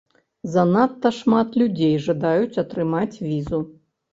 Занадта шмат людзей жадаюць атрымаць візу.